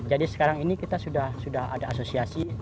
jadi sekarang ini kita sudah ada asosiasi